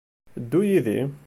Ddu yid-i.